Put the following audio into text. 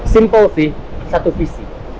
simpel sih satu visi